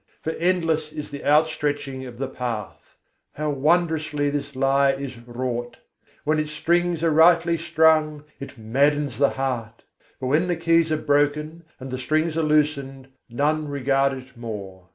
for endless is the outstretching of the path. How wondrously this lyre is wrought! When its strings are rightly strung, it maddens the heart: but when the keys are broken and the strings are loosened, none regard it more.